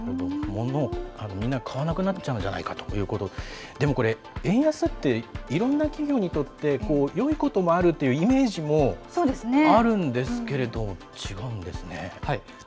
ものをみんな買わなくなっちゃうんじゃないかということ、でもこれ、円安っていろんな企業にとって、よいこともあるというイメージもあるんですけれども、違うんですね。